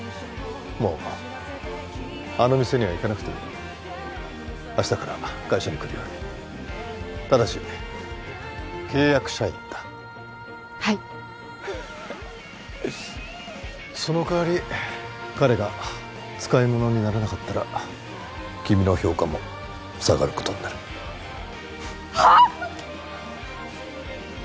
もうあの店には行かなくていい明日から会社に来るようにただし契約社員だはいその代わり彼が使いものにならなかったら君の評価も下がることになるはっ？